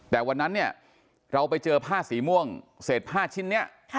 แต่วันนั้นเนี่ยเราไปเจอผ้าสีม่วงเศษผ้าชิ้นนี้